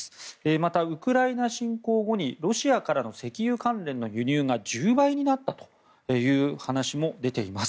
また、ウクライナ侵攻後にロシアからの石油関連の輸入が１０倍になったという話も出ています。